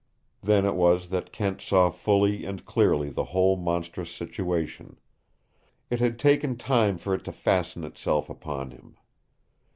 Then it was that Kent saw fully and clearly the whole monstrous situation. It had taken time for it to fasten itself upon him.